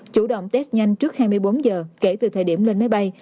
chủ động test nhanh trước hai mươi bốn giờ kể từ thời điểm lên máy bay